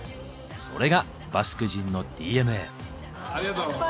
それがバスク人のＤＮＡ。